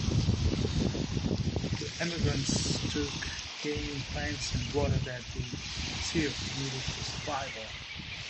The emigrants took game, plants and water that the Sioux needed for survival.